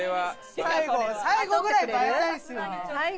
最後最後ぐらい映えたいですよね。